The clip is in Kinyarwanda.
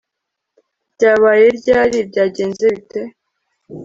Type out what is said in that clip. Byabaye ryari Byagenze bite